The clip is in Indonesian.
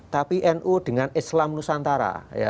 tapi nu dengan islam nusantara